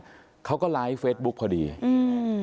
อยู่กลางถนนเนี่ยเขาก็ไลฟ์เฟสบุ๊คพอดีอืม